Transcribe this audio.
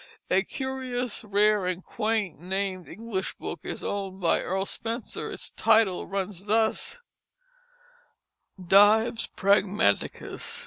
A curious, rare, and quaintly named English book is owned by Earl Spencer. Its title runs thus: "Dyves Pragmaticus.